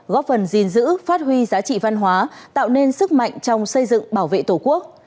góp phần gìn giữ phát huy giá trị văn hóa tạo nên sức mạnh trong xây dựng bảo vệ tổ quốc